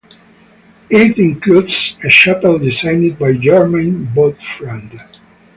It includes a chapel designed by Germain Boffrand.